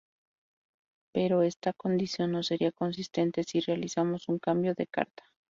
Pero esta condición no sería consistente si realizamos un cambio de carta.